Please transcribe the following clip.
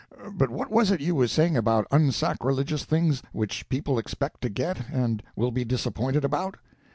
But what was it you was saying about unsacrilegious things, which people expect to get, and will be disappointed about?"